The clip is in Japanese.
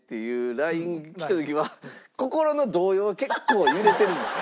ＬＩＮＥきた時は心の動揺結構揺れてるんですか？